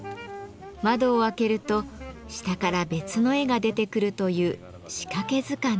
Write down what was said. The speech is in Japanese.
窓を開けると下から別の絵が出てくるという「仕掛け図鑑」です。